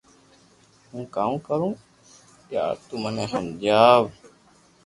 ھون ڪاو ڪرو يار تو مني ھمجاو